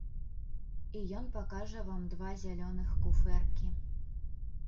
І ён пакажа вам два зялёных куфэркі.